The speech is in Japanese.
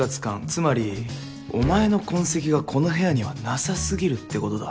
つまりお前の痕跡がこの部屋にはなさすぎるってことだ。